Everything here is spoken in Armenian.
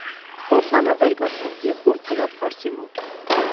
Օսանը վեր կացավ և դուրս գնաց հարսի մոտ: